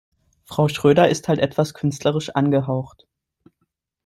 Frau Schröder ist halt etwas künstlerisch angehaucht.